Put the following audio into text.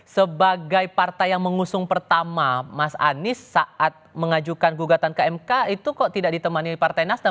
sebagai partai yang mengusung pertama mas anies saat mengajukan gugatan ke mk itu kok tidak ditemani partai nasdem